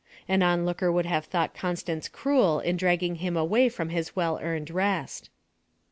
An onlooker would have thought Constance cruel in dragging him away from his well earned rest.